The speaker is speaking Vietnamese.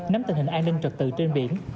nắm tình hình an ninh trật tự trên biển